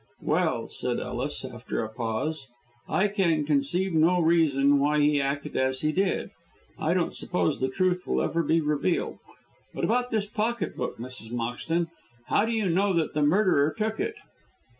"Well," said Ellis, after a pause, "I can conceive no reason why he acted as he did. I don't suppose the truth will ever be revealed. But about this pocket book, Mrs. Moxton. How do you know that the murderer took it?"